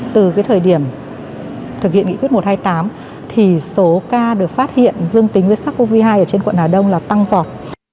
từ thời điểm thực hiện nghị quyết một trăm hai mươi tám thì số ca được phát hiện dương tính với sars cov hai ở trên quận hà đông là tăng vọt